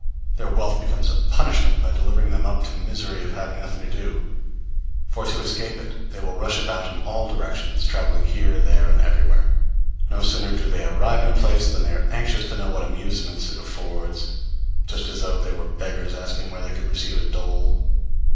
Their wealth becomes a punishment by delivering them up to misery of having nothing to do; for, to escape it, they will rush about in all directions, traveling here, there and everywhere. No sooner do they arrive in a place than they are anxious to know what amusements it affords; just as though they were beggars asking where they could receive a dole!